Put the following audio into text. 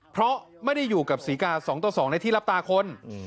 เพราะไม่ได้อยู่กับศรีกา๒ต่อ๒ในที่รับตาคน